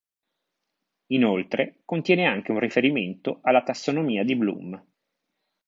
Inoltre contiene anche un riferimento alla tassonomia di Bloom.